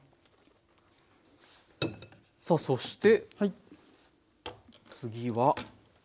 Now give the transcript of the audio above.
さあそして次は。